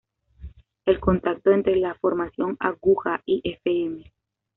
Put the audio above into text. El contacto entre la formación Aguja y Fm.